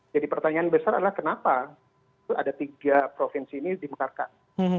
jadi pertanyaan besar adalah kenapa ada tiga provinsi ini dimekarkan